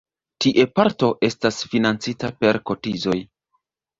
Tie parto estas financita per kotizoj.